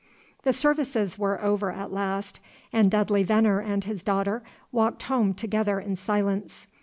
The services were over at last, and Dudley Venner and his daughter walked home together in silence.